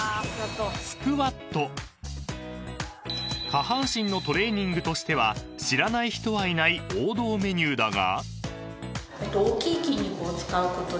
［下半身のトレーニングとしては知らない人はいない王道メニューだが］